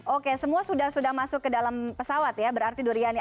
oke semua sudah masuk ke dalam pesawat ya berarti duriannya